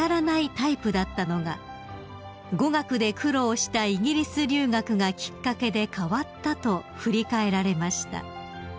タイプだったのが語学で苦労したイギリス留学がきっかけで変わったと振り返られました］